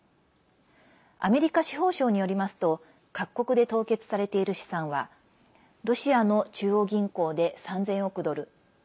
アメリカ司法省によりますと各国で凍結されている資産はロシアの中央銀行で３０００億ドル。